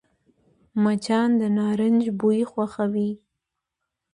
مچان د نارنج بوی خوښوي